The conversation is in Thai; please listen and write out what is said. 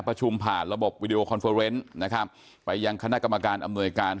ประชุมผ่านระบบวิดีโอคอนเฟอร์เนส์นะครับไปยังคณะกรรมการอำนวยการ